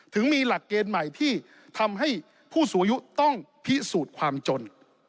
ถึงมีหลักเกณฑ์ใหม่ที่ทำให้ผู้สูงอายุต้องพิสูจน์ความจน